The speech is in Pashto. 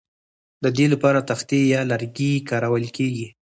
د دې لپاره تختې یا لرګي کارول کیږي